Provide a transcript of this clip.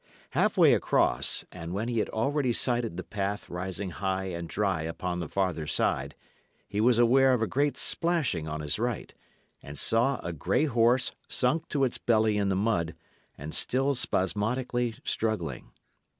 Half way across, and when he had already sighted the path rising high and dry upon the farther side, he was aware of a great splashing on his right, and saw a grey horse, sunk to its belly in the mud, and still spasmodically struggling.